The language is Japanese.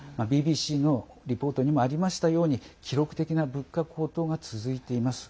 ＢＢＣのリポートにもありましたように記録的な物価高騰が続いています。